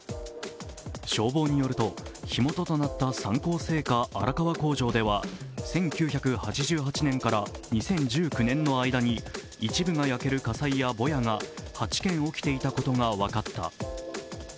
消防によると、火元となった三幸製菓荒川工場では１９８８年から２０１９年の間に一部が焼ける火災やぼやが８件起きていたことが分かった。